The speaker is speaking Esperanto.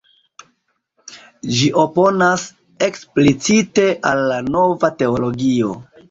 Ĝi oponas eksplicite al la Nova Teologio.